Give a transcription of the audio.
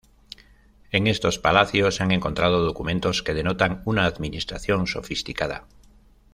En estos palacios se han encontrado documentos que denotan una administración sofisticada.